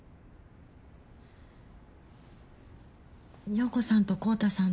陽子さんと昂太さん